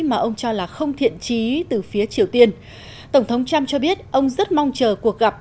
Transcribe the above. mà ông cho là không thiện trí từ phía triều tiên tổng thống trump cho biết ông rất mong chờ cuộc gặp